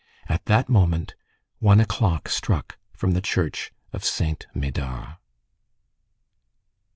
At that moment, one o'clock struck from the church of Saint Médard.